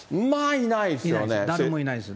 いないです、誰もいないです。